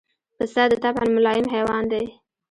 پسه د طبعاً ملایم حیوان دی.